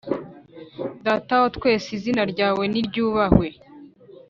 Data watwese izina ryawe niryubahwe